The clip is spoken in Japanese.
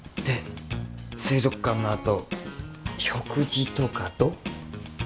で水族館のあと食事とかどう？